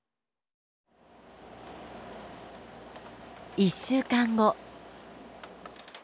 １週間後。